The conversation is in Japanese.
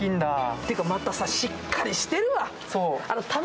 ていうかさ、しっかりしてるわ。